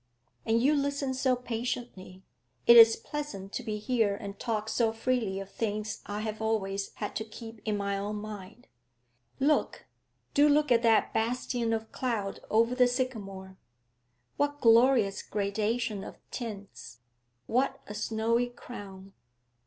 And you listen so patiently. It is pleasant to be here and talk so freely of things I have always had to keep in my own mind. Look, do look at that bastion of cloud over the sycamore! What glorious gradation of tints! What a snowy crown!'